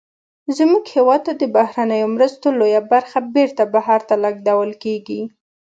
زمونږ هېواد ته د بهرنیو مرستو لویه برخه بیرته بهر ته لیږدول کیږي.